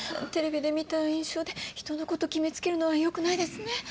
テレビで見た印象で人のこと決め付けるのはよくないですね。